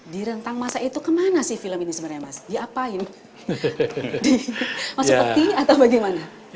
di rentang masa itu kemana sih film ini sebenarnya mas diapain dimasuk peti atau bagaimana